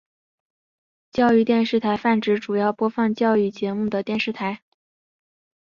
教育电视台泛指主要播放教育节目的电视台。